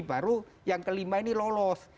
baru yang kelima ini lolos